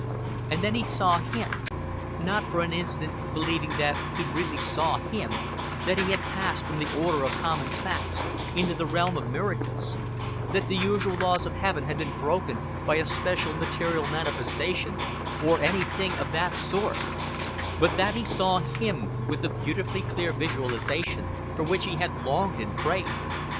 And then he saw Him not for an instant believing that he really saw Him, that he had passed from the order of common facts into the realm of miracles, that the usual laws of heaven had been broken by a special material manifestation, or anything of that sort; but that he saw Him with the beautifully clear visualization for which he had longed and prayed.